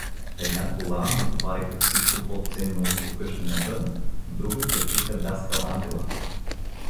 В една кола натовариха всичко по-ценно от покъщнината, в друга качиха даскал Ангела.